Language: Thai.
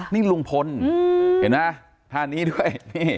นี่ลุงพลเห็นปะภาษณะอันนี้ด้วย